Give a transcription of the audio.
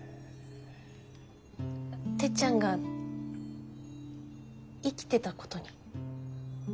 てっちゃんが生きてたことに。